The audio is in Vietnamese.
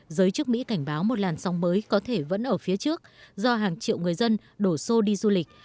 giới chức mỹ cảnh báo một làn sóng mới có thể vẫn ở phía trước do hàng triệu người dân đổ xô đi du lịch